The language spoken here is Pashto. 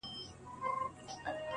o مامد خيره، ستا ئې د خيره.